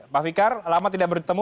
pak fikar lama tidak bertemu